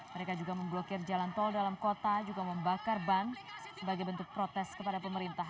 mereka juga memblokir jalan tol dalam kota juga membakar ban sebagai bentuk protes kepada pemerintah